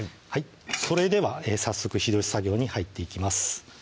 それでは早速火通し作業に入っていきます